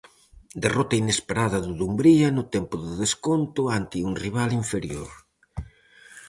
Derrota inesperada do Dumbría no tempo de desconto ante un rival inferior.